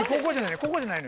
ここじゃない。